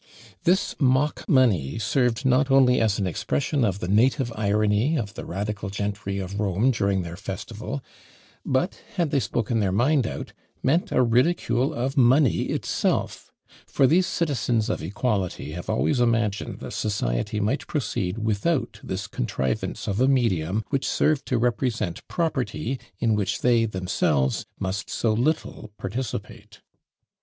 This mock money served not only as an expression of the native irony of the radical gentry of Rome during their festival, but, had they spoken their mind out, meant a ridicule of money itself; for these citizens of equality have always imagined that society might proceed without this contrivance of a medium which served to represent property in which they themselves must so little participate.